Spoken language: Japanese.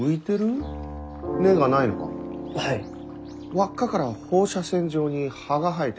輪っかから放射線状に葉が生えてる。